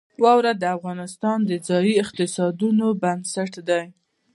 واوره د افغانستان د ځایي اقتصادونو بنسټ دی.